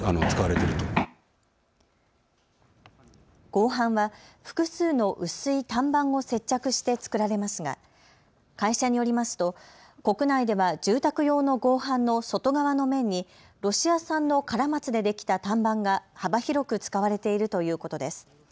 合板は複数の薄い単板を接着して作られますが会社によりますと国内では住宅用の合板の外側の面にロシア産のカラマツでできた単板が幅広く使われているということです。